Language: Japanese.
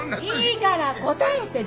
いいから答えて。